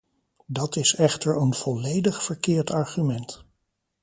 Dat is echter een volledig verkeerd argument.